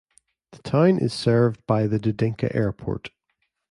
The town is served by the Dudinka Airport.